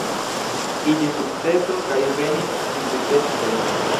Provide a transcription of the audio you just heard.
Iĝis sukceso kaj venis du sekvoj.